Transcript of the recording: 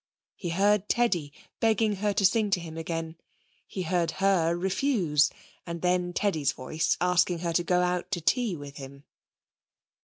He heard Teddy begging her to sing to him again. He heard her refuse and then Teddy's voice asking her to go out to tea with him.